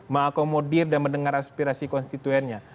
mengakomodir dan mendengar aspirasi konstituennya